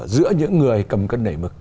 giữa những người cầm cân nảy mực